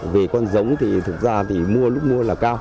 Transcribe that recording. về con giống thì thực ra thì mua lúc mua là cao